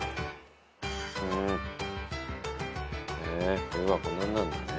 へえ冬はこんなんなるんだね。